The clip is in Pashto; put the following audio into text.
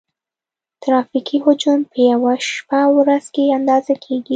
ترافیکي حجم په یوه شپه او ورځ کې اندازه کیږي